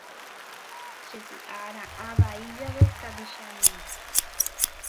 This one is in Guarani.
Chepy'ara'ã vai jave tapicha ñaña.